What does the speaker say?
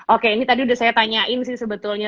oke ini tadi udah saya tanyain sih sebetulnya